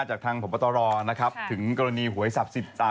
จากทางผมประตอรอร์นะครับถึงกรณีหวยสับสิบอ่า